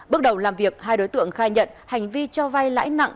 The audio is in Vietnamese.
bước đầu làm việc hai đối tượng khai nhận hành vi cho vay lãi nặng